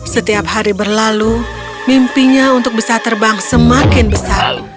setiap hari berlalu mimpinya untuk bisa terbang semakin besar